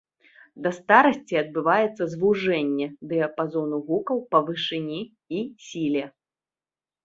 Да старасці адбываецца звужэнне дыяпазону гукаў па вышыні і сіле.